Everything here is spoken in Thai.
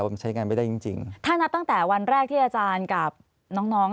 มันใช้งานไม่ได้จริงจริงถ้านับตั้งแต่วันแรกที่อาจารย์กับน้องน้อง